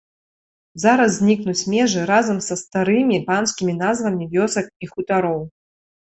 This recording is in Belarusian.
Зараз знікнуць межы разам са старымі панскімі назвамі вёсак і хутароў.